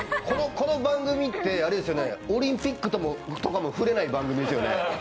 この番組って、オリンピックとかも触れない番組ですよね。